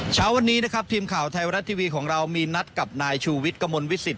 เช้าวันนี้นะครับทีมข่าวไทยรัฐทีวีของเรามีนัดกับนายชูวิทย์กระมวลวิสิต